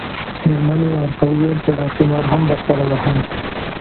میرمنې یې ورته وویل چې دا قمار هم درسره وهم.